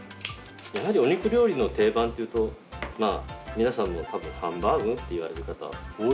やはりお肉料理の定番っていうとまあ皆さんも多分ハンバーグと言われる方多いと思うんですよね。